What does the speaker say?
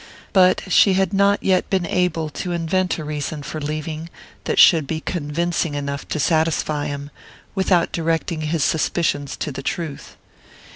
But she had not yet been able to invent a reason for leaving that should be convincing enough to satisfy him, without directing his suspicions to the truth.